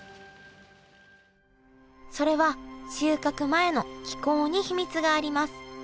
それは収穫前の気候に秘密があります。